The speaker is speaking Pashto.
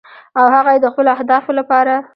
او هغه یې د خپلو اهدافو لپاره